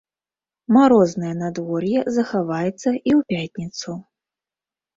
Марознае надвор'е захаваецца і ў пятніцу.